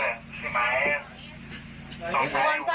ติดเตียงได้ยินเสียงลูกสาวต้องโทรโทรศัพท์ไปหาคนมาช่วย